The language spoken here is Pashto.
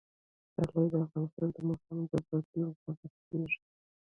پسرلی د افغانستان د موسم د بدلون سبب کېږي.